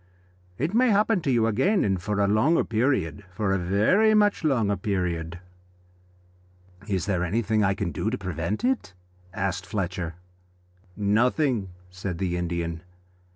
It may happen to you again, and for a longer period for a very much longer period." "Is there anything I can do to prevent it?" asked Fletcher. "Nothing," said the Indian.